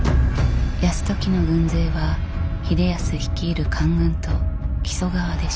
泰時の軍勢は秀康率いる官軍と木曽川で衝突。